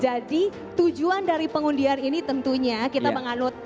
jadi tujuan dari pengundian ini tentunya kita menganut